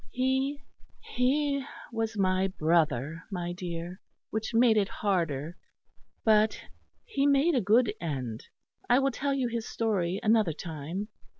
He he was my brother, my dear, which made it harder; but he made a good end. I will tell you his story another time.